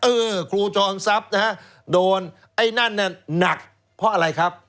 เออครูจอมทรัพย์นะฮะโดนไอ้นั่นน่ะหนักเพราะอะไรครับ